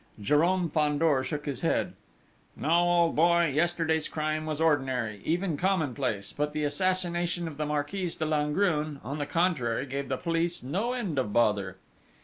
Jérôme Fandor shook his head: "No, old boy, yesterday's crime was ordinary, even common place, but the assassination of the Marquise de Langrune, on the contrary, gave the police no end of bother."